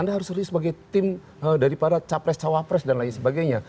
anda harus serius sebagai tim daripada capres cawapres dan lain sebagainya